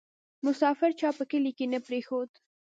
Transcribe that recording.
ـ مسافر چا په کلي کې نه پرېښود